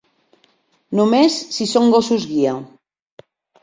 Només si són gossos guia.